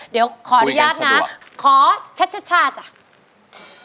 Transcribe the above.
เดี๋ยวขออนุญาตนะขอช่าช่าจ้ะวันนี้